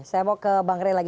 saya mau ke bang ray lagi